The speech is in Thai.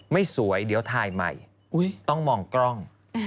ไม่สวยเดี๋ยวถ่ายใหม่ต้องมองกล้อง